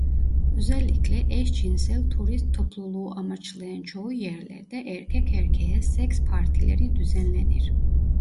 Özellikle eşcinsel turist topluluğu amaçlayan çoğu yerlerde erkek erkeğe seks partileri düzenlenir.